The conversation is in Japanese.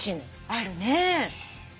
あるね。